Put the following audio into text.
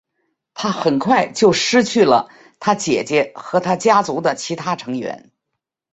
他很快就失去了他姐姐和他家族的其他成员。